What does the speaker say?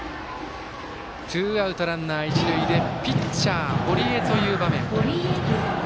ツーアウト、ランナー、一塁でピッチャー、堀江という場面。